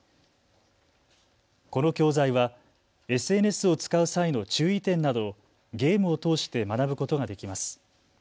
この教材はＳＮＳを使う際の注意点などをゲームを通して学ぶことができます。